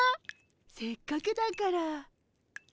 せっかくだから。